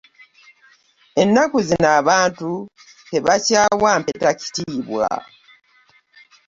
Ennaku zino abantu tebakyawa mpeta kitiibwa.